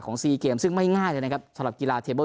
ซีเกมซึ่งไม่ง่ายเลยนะครับสำหรับกีฬาเทเบิ้